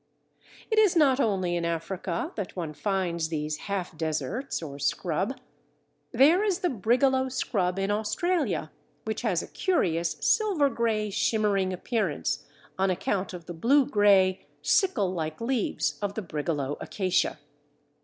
It is not only in Africa that one finds these half deserts or scrub. There is the Brigalow Scrub in Australia, which has a curious silver grey shimmering appearance on account of the blue grey sickle like leaves of the Brigalow Acacia.